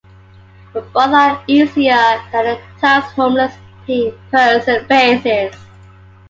But both are easier than the tasks a homeless person faces.